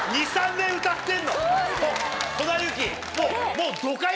もう。